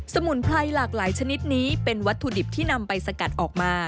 มุนไพรหลากหลายชนิดนี้เป็นวัตถุดิบที่นำไปสกัดออกมา